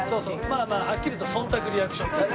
まあまあはっきり言うと忖度リアクションね。